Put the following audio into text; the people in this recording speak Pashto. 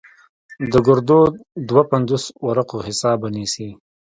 د ګردو دوه پينځوس ورقو حساب به نيسې.